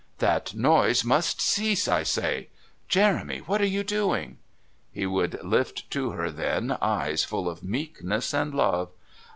"That noise must cease, I say. Jeremy, what are you doing?" He would lift to her then eyes full of meekness and love.